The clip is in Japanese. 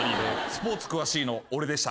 スポーツ詳しいの俺でした。